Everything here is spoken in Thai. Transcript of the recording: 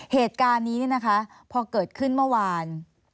เหตุการณ์นี้เนี่ยนะคะพอเกิดขึ้นเมื่อวาน